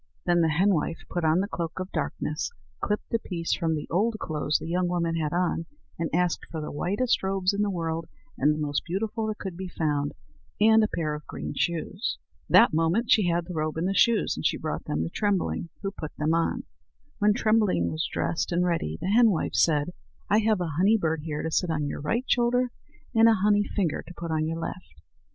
Then the henwife put on the cloak of darkness, clipped a piece from the old clothes the young woman had on, and asked for the whitest robes in the world and the most beautiful that could be found, and a pair of green shoes. That moment she had the robe and the shoes, and she brought them to Trembling, who put them on. When Trembling was dressed and ready, the henwife said: "I have a honey bird here to sit on your right shoulder, and a honey finger to put on your left.